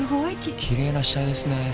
きれいな死体ですねえ。